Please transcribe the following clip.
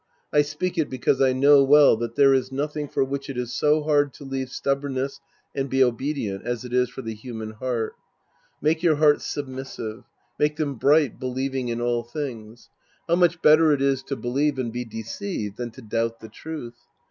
I speak it because I know well that there is nothing for which it is so hard to leave stubbornness and be obedient as it is for the human heart. Make your hearts submissive. Make them bright, believing in all things. How much better it is to believe and be deceived than to doubt the truth !